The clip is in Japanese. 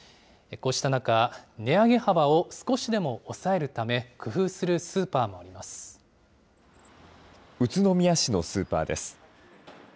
こうした中、値上げ幅を少しでも抑えるため、工夫するスーパーも宇都宮市のスーパーです。